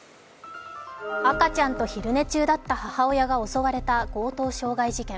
赤ちゃんと昼寝中だった母親が襲われた強盗傷害事件。